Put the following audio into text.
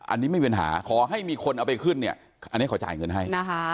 อันนี้ไม่มีปัญหาขอให้มีคนเอาไปขึ้นอันนี้ขอจ่ายเงินให้